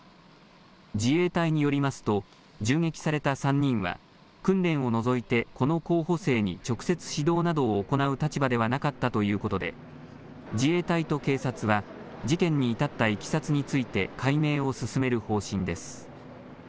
自衛隊によりますと銃撃された３人は訓練を除いてこの候補生に直接指導などを行う立場ではなかったということで自衛隊と警察は事件に至ったいきさつについて解明を進める方針です。